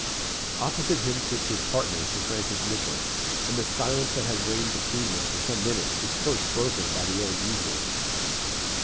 Opposite him sits his partner, Sir Francis Mitchell; and the silence that has reigned between them for some minutes is first broken by the old usurer.